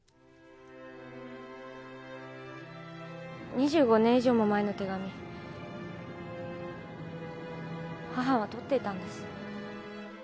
２５年以上も前の手紙母は取っていたんです。